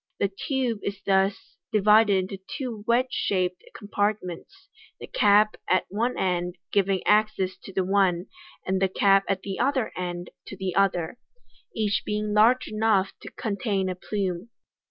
The tube is thus divided into two wedge shaped compart ments, the cap at one end giving access to the one, and the cap at the other end to the other 3 each being large enough to contain a plume.